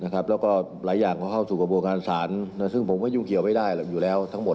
แล้วก็หลายอย่างก็เข้าสู่กระบวนการศาลซึ่งผมก็ยุ่งเกี่ยวไม่ได้อยู่แล้วทั้งหมด